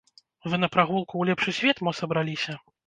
Вы на прагулку ў лепшы свет мо сабраліся?